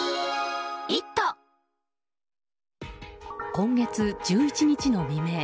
今月１１日の未明